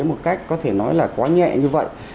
một cách có thể nói là quá nhẹ như vậy